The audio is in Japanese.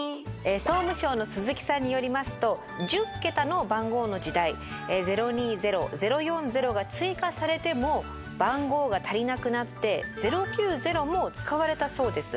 総務省の鈴木さんによりますと１０桁の番号の時代「０２０」「０４０」が追加されても番号が足りなくなって「０９０」も使われたそうです。